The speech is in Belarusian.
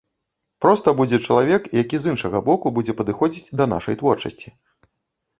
Проста будзе чалавек, які з іншага боку будзе падыходзіць да нашай творчасці.